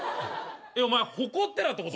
お前矛ってたってこと？